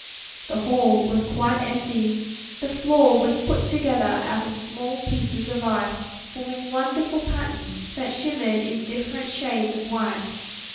The hall was quite empty; the floor was put together out of small pieces of ice forming wonderful patterns that shimmered in different shades of white.